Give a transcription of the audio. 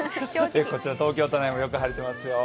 こちら東京都内もよく晴れていますよ。